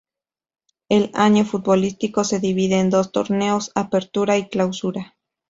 El "año futbolístico" se divide en dos torneos: Apertura y Clausura.